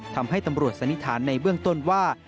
ทำให้ตำรวจสันนิษฐานในเบื้องต้นว่า